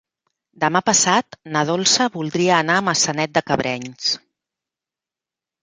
Demà passat na Dolça voldria anar a Maçanet de Cabrenys.